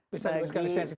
bisa juga isikan lisensi